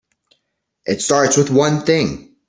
It starts with one thing.